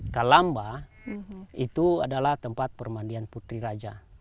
kalamba itu adalah tempat permandian putri raja